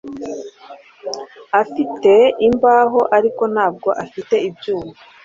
Afite imbaho ariko ntabwo afite ibyuma